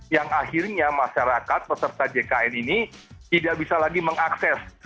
yang akhirnya masyarakat peserta jkn ini tidak bisa lagi mengakses